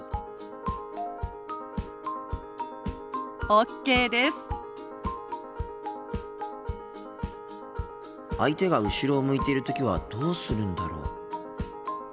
心の声相手が後ろを向いている時はどうするんだろう？